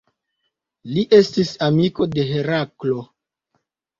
Li estis amiko de Heraklo.